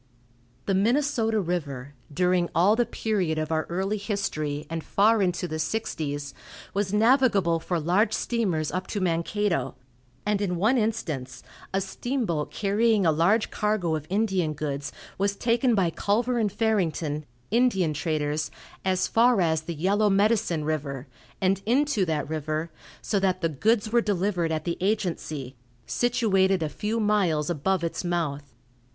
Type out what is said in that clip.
The Minnesota river, during all the period of our early history, and far into the sixties, was navigable for large steamers up to Mankato, and in one instance, a steamboat carrying a large cargo of Indian goods was taken by Culver and Farrington, Indian traders, as far as the Yellow Medicine river, and into that river, so that the goods were delivered at the agency, situated a few miles above its mouth.